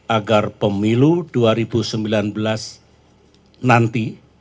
agar pemilu dua ribu sembilan belas nanti